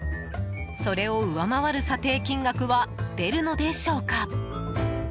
それを上回る査定金額は出るのでしょうか。